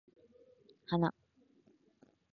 花